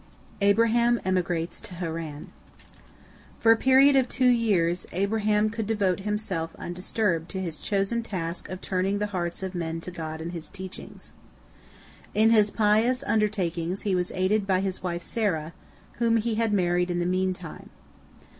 ABRAHAM EMIGRATES TO HARAN For a period of two years Abraham could devote himself undisturbed to his chosen task of turning the hearts of men to God and His teachings. In his pious undertaking he was aided by his wife Sarah, whom he had married in the meantime.